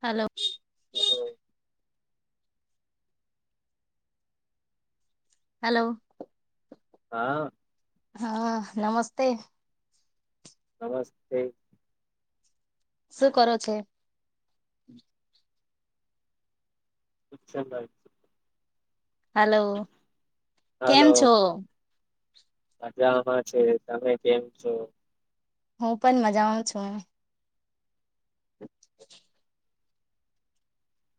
Hello હ hello હા. હા નમસ્તે‌ નમસ્તે. શું કરો છે? અચ્છા હલો કેમ હાલો છો? મજામાં છે તમે કેમ છો? હું પણ મજા આવ છું. [inaudible]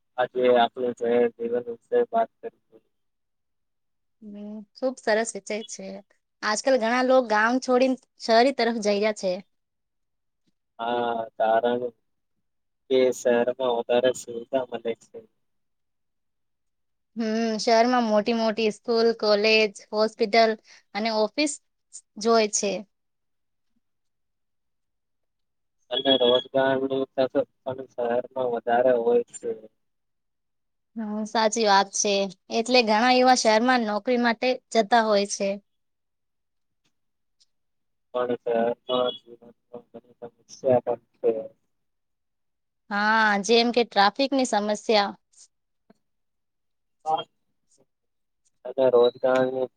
આજે આહેરત કર હમ ખુબ સરસ વિચાય છે. આજકાલ ઘણા લોકો ગામ છોડીને શહેરી તરફ જઈ રહ્યા છે. હા કારણ કે શહેરમાં વધારે સુવિધા મળે છે હમ શહેરમાં મોટી મોટી સ્કૂલ કોલેજ હોસ્પિટલ અને ઓફિસ જોય છે અને રોજગાર ન તો પણ શહેરમાં વધારે હોય છે હા સાચી વાત છે એટલે ઘણા યુવા શહેરમાં જ નોકરી માટે જતા હોય છે સમ હા જેમ કે ટ્રાફિક ની સમસ્યા અ રોજગારની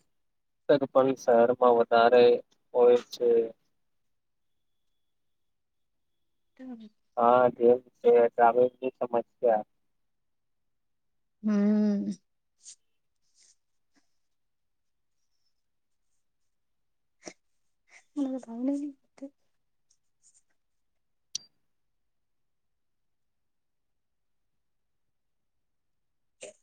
તક પણ શહેરમાં વધારે હોય છે તો હા જેમ છે ટ્રફિક ની સમસ્યા હમ હમ [inaudible] હ [unintelligible]